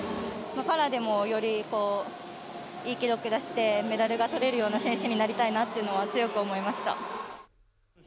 パラでもよりいい記録出してメダルが取れるような選手になりたいなっていうのは強く思いました。